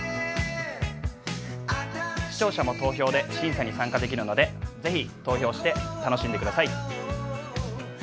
視聴者も投票で審査に参加できるのでぜひ、投票して楽しんでください。